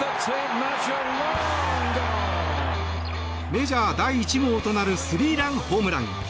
メジャー第１号となるスリーランホームラン。